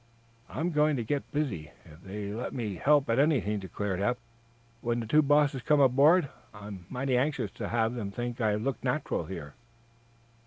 "I'm going to get busy, if they'll let me help at anything," declared Eph. "When the two bosses come aboard I'm mighty anxious to have them think I look natural here."